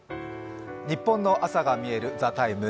ニッポンの朝がみえる「ＴＨＥＴＩＭＥ，」